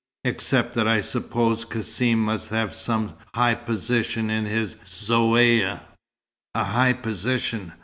except that I suppose Cassim must have some high position in his Zaouïa." "A high position!